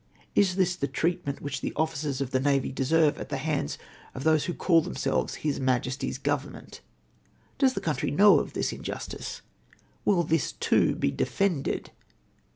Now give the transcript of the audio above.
Is this the treatment which the officers of the Navy deserve at the hands of those who call them selves His Majesty's Government ? Does the country know of this injustice ? Will this too be defended